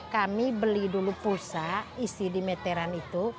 kami beli dulu pulsa isi di meteran itu